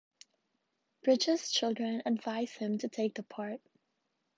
Bridges' children advised him to take the part.